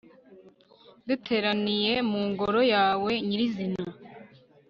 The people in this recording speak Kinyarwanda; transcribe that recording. duteraniye mu ngoro yawe nyirizina